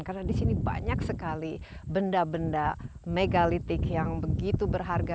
karena disini banyak sekali benda benda megalitik yang begitu berharga